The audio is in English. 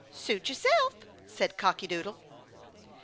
"Suit yourself," said Cocky Doodle.